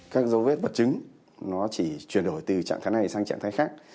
các dấu vết vật chứng nó chỉ chuyển đổi từ trạng thái này sang trạng thái khác